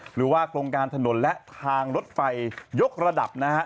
หรือว่าโครงการถนนและทางรถไฟยกระดับนะฮะ